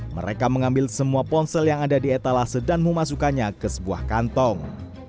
mereka mengambil semua ponsel yang ada di etalase dan memasukkannya ke sebuah kantong